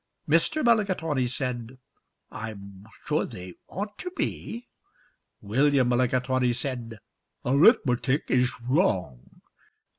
Mr. Mulligatawny said, "I'm sure they ought to be." William Mulligatawny said, "Arithmetic is wrong."